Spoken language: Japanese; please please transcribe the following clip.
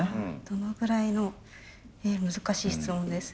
どのぐらいの難しい質問ですね。